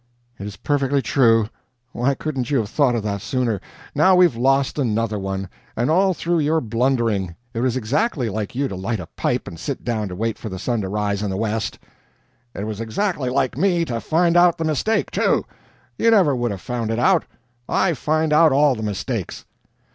"It is perfectly true! Why couldn't you have thought of that sooner? Now we've lost another one! And all through your blundering. It was exactly like you to light a pipe and sit down to wait for the sun to rise in the west." "It was exactly like me to find out the mistake, too. You never would have found it out. I find out all the mistakes."